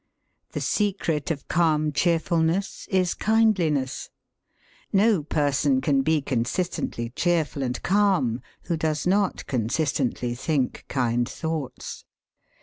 The secret of calm cheerfulness is kindliness; no person can be consistently cheerful and calm who does not consistently think kind thoughts.